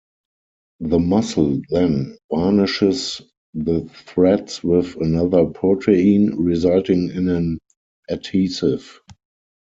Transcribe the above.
The mussel then varnishes the threads with another protein, resulting in an adhesive.